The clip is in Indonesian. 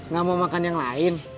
gak mau makan yang lain